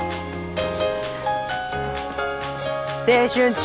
青春中。